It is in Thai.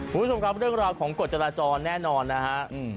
คุณผู้ชมครับเรื่องราวของกฎจราจรแน่นอนนะฮะ